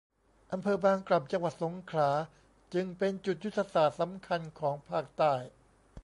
อำเภอบางกล่ำ จังหวัดสงขลาจึงเป็นจุดยุทธศาสตร์สำคัญของภาคใต้